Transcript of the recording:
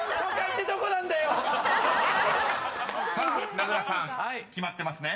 ［名倉さん決まってますね？］